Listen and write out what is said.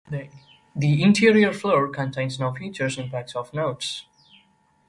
The interior floor contains no features or impacts of note.